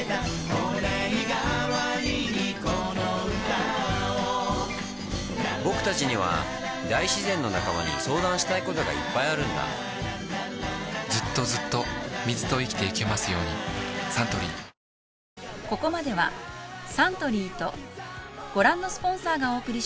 御礼がわりにこの歌をぼくたちには大自然の仲間に相談したいことがいっぱいあるんだずっとずっと水と生きてゆけますようにサントリー晴れましたねー。